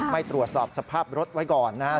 ไม่ตรวจสอบสภาพรถไว้ก่อนนะครับ